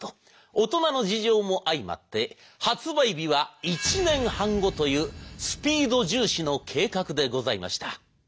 大人の事情も相まって発売日は１年半後というスピード重視の計画でございました。